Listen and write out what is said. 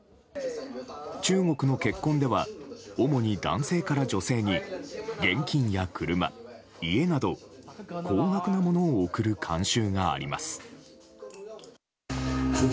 中国の結婚では主に男性から女性に現金や車、家など高額なものを贈る慣習があります。